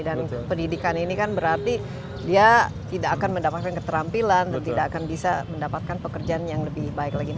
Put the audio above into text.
dan pendidikan ini kan berarti dia tidak akan mendapatkan keterampilan dan tidak akan bisa mendapatkan pekerjaan yang lebih baik lagi